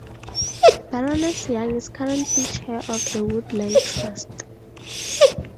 Baroness Young is currently chair of the Woodland Trust.